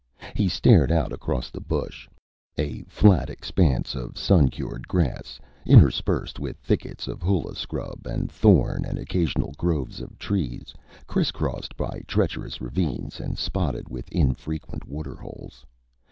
He stared out across the bush, a flat expanse of sun cured grass interspersed with thickets of hula scrub and thorn and occasional groves of trees, criss crossed by treacherous ravines and spotted with infrequent waterholes.